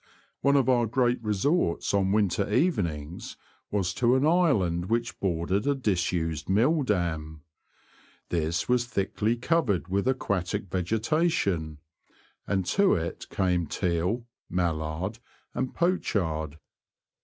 One of our great resorts on winter evenings was to an island which bor dered a disused mill dam. This was thickly covered with aquatic vegetation, and to it came teal, mallard, and poachard.